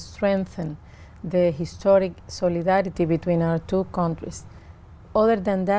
thì tôi sẽ nói là